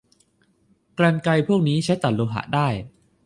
กรรไกรพวกนี้ใช้ตัดโลหะได้